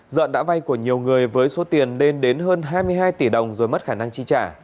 dận đã vay của nhiều người với số tiền lên đến hơn hai mươi hai tỷ đồng rồi mất khả năng chi trả